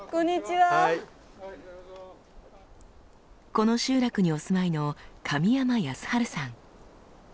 この集落にお住まいの神山坦治さん。